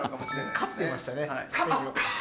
かってましたね。